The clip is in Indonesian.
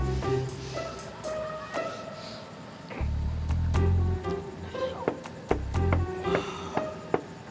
emang mau ke kota dulu